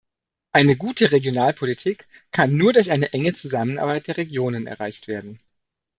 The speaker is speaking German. Eine gute Regionalpolitik kann nur durch eine enge Zusammenarbeit der Regionen erreicht werden.